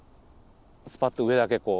スパッと上だけこう。